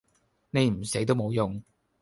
你唔死都無用